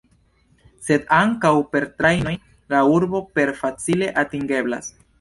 Sed ankaŭ per trajnoj la urbo per facile atingeblas.